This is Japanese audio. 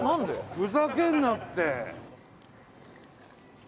ふざけんなって！